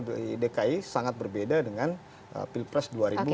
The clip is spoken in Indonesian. atau variable dari dki sangat berbeda dengan pilpres dua ribu sembilan belas